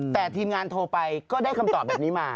แต่ทีมงานโทรไปก็ได้คำตอบแบบนี้มา